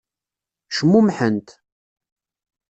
Cmumḥent.